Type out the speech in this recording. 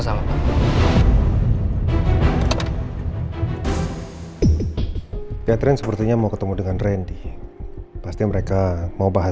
tapi pak juga butuh saya ya udah deh saya temuin pak dulu ya mudah mudahan